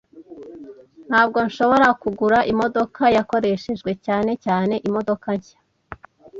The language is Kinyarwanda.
Ntabwo nshobora kugura imodoka yakoreshejwe, cyane cyane imodoka nshya.